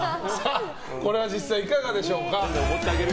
これは、実際いかがでしょうか。